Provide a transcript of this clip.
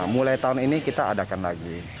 mulai tahun ini kita adakan lagi